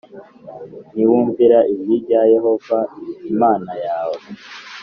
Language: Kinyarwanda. “niwumvira ijwi rya yehova imana yawe,